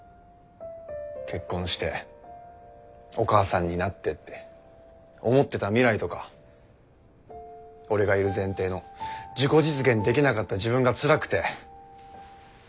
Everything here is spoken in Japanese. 結婚してお母さんになってって思ってた未来とか俺がいる前提の自己実現できなかった自分がつらくて。